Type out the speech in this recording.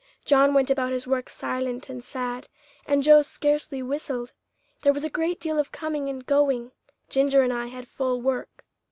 John went about his work silent and sad, and Joe scarcely whistled. There was a great deal of coming and going; Ginger and I had full work.